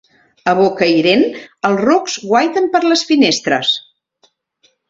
A Bocairent, els rucs guaiten per les finestres.